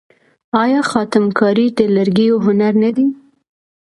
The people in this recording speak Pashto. آیا خاتم کاري د لرګیو هنر نه دی؟